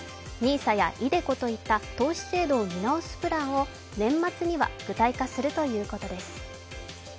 ＮＩＳＡやｉＤｅＣｏといった投資制度を見直すプランを年末には具体化するということです。